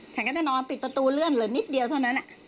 ฉันก็จะนอนปิดประตูเลื่อนเหลือนิดเดียวเท่านั้น